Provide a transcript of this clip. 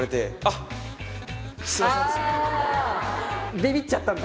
びびっちゃったんだ。